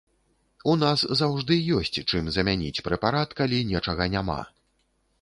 У нас заўжды ёсць, чым замяніць прэпарат, калі нечага няма.